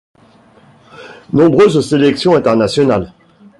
Nombreuses sélections internationales.